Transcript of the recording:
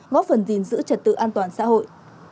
góp phần gìn giữ trật tự an toàn xã hội